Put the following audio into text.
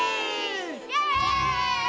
イエーイ！